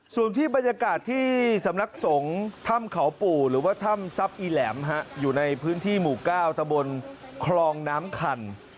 ส่วนที่บรรยากาศที่สำนักสงฆ์ถ้ำเขาปู่หรือว่าถ้ำทรัพย์อีแหลมอยู่ในพื้นที่หมู่๙ตะบนคลองน้ำคัน